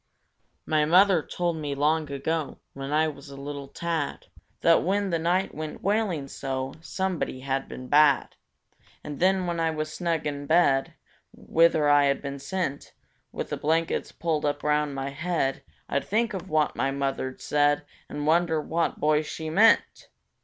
My mother told me long ago (When I was a little tad) That when the night went wailing so, Somebody had been bad; And then, when I was snug in bed, Whither I had been sent, With the blankets pulled up round my head, I'd think of what my mother'd said, And wonder what boy she meant!